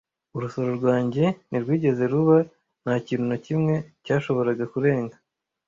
Urusoro rwanjye ntirwigeze ruba, nta kintu na kimwe cyashoboraga kurenga.